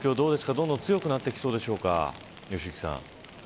どんどん強くなってきそうでしょうか。